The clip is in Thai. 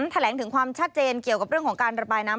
แถลงถึงความชัดเจนเกี่ยวกับเรื่องของการระบายน้ำ